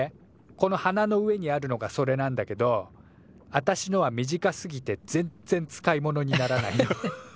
この鼻の上にあるのがそれなんだけどあたしのは短すぎてぜんっぜん使い物にならないの。